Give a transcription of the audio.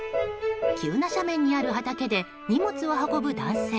急な斜面にある畑で荷物を運ぶ男性。